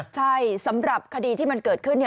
ใช่สำหรับคดีที่มันเกิดขึ้น